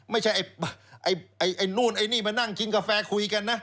ไม่ใช่ไอ้นู่นไอ้นี่มานั่งกินกาแฟคุยกันนะ